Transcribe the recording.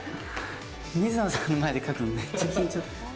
水野さんの前で描くのめっちゃ緊張。